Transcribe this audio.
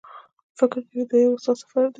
فکر کوي دا یو هوسا سفر دی.